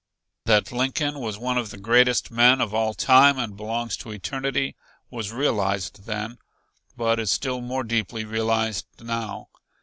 That Lincoln was one of the greatest men of all time and belongs to eternity, was realized then, but is still more deeply realized now.